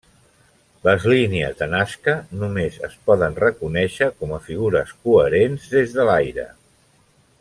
Les línies de Nazca només es poden reconèixer com a figures coherents des de l'aire.